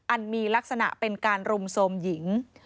มีลักษณะเป็นการรุมโทรมหญิง